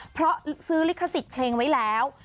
เพราะซื้อลิขสิทธิ์เพลงไว้แล้ว